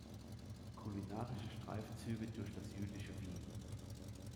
Kulinarische Streifzüge durch das jüdische Wien".